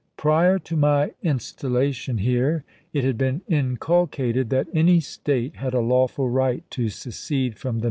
Prior to my installation here it had been inculcated June 12 ^na^ any State had a lawful right to secede from the 1863.